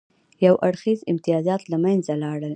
یو اړخیز امتیازات له منځه لاړل.